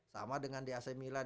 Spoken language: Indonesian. sama dengan di ac milan